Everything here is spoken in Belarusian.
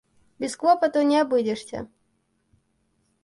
Без клопату не абыдзешся.